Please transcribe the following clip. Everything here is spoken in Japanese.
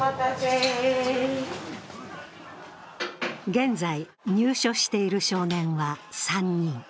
現在、入所している少年は３人。